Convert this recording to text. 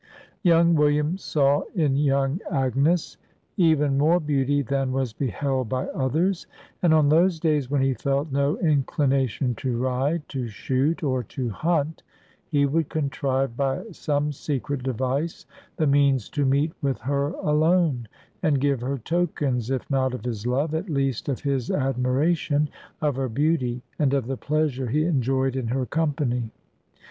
Young William saw in young Agnes even more beauty than was beheld by others; and on those days when he felt no inclination to ride, to shoot, or to hunt, he would contrive, by some secret device, the means to meet with her alone, and give her tokens (if not of his love) at least of his admiration of her beauty, and of the pleasure he enjoyed in her company.